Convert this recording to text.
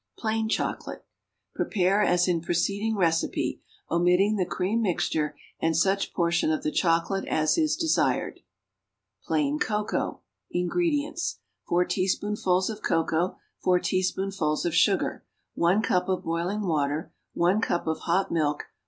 =Plain Chocolate.= Prepare as in preceding recipe, omitting the cream mixture and such portion of the chocolate as is desired. =Plain Cocoa.= INGREDIENTS. 4 teaspoonfuls of cocoa. 4 teaspoonfuls of sugar. 1 cup of boiling water, 1 cup of hot milk.